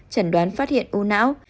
trần đoán phát hiện u não